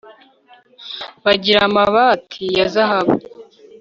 bagira amabati ya zahabu